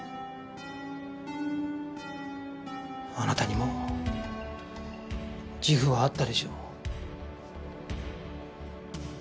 あなたにも自負はあったでしょう。